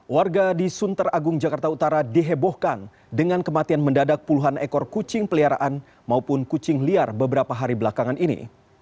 warga di sunter agung jakarta utara dihebohkan dengan kematian mendadak puluhan ekor kucing peliharaan maupun kucing liar beberapa hari belakangan ini